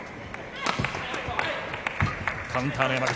カウンターの山口。